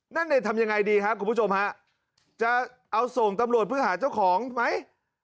นั่นเองทำยังไงดีครับคุณผู้ชมฮะจะเอาส่งตำรวจเพื่อหาเจ้าของไหม